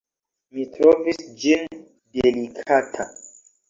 Mi trovis ĝin delikata.